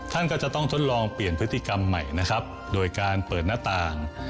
ท่านก็จะต้องทดลองเปลี่ยนพฤติกรรมใหม่นะครับโดยการเปิดหน้าต่าง